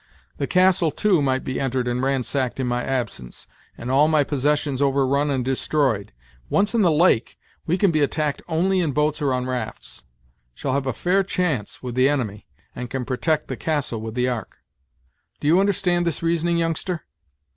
The castle, too, might be entered and ransacked in my absence, and all my possessions overrun and destroyed. Once in the lake, we can be attacked only in boats or on rafts shall have a fair chance with the enemy and can protect the castle with the ark. Do you understand this reasoning, youngster?"